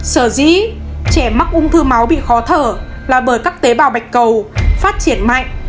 sở dĩ trẻ mắc ung thư máu bị khó thở là bởi các tế bào bạch cầu phát triển mạnh